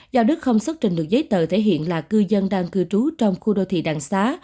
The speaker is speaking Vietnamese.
do đức không xuất trình được giấy tờ thể hiện là cư dân đang cư trú trong khu đô thị đạng xá